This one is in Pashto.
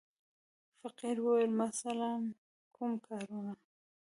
فقیر وویل: مثلاً کوم کارونه.